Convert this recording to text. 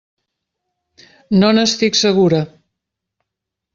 No n'estic segura.